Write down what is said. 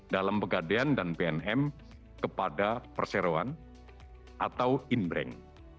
dalam pegadian dan pnm kepada perseroan atau in bank